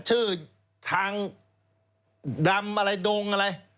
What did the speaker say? ชื่อทางดำอะไรดงอะไร